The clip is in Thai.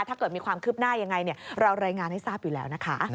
ถ้าเกิดมีความคืบหน้ายังไงเรารายงานให้ทราบอยู่แล้วนะคะ